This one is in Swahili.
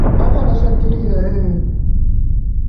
ya ukweli kwamba kuingizwa kwa mtiririko mpya